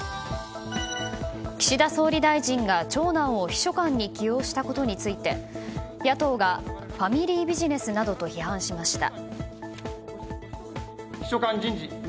岸田総理大臣が長男を秘書官に起用したことについて野党がファミリービジネスなどと批判しました。